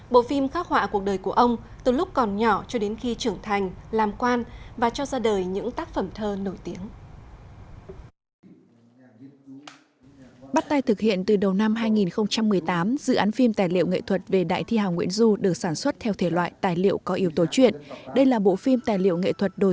bộ phim khắc họa cuộc đời của ông từ lúc còn nhỏ cho đến khi trưởng thành làm quan và cho ra đời những tác phẩm thơ nổi tiếng